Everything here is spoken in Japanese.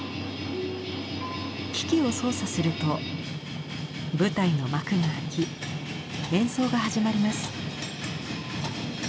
機器を操作すると舞台の幕が開き演奏が始まります。